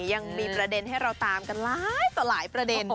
ยังมีประเด็นให้เราตามกันหลายต่อหลายประเด็น